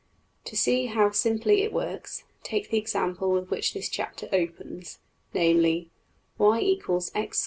'' To see how simply it works, take the example with which this chapter opens, namely \[ y = x^2 4x + 7.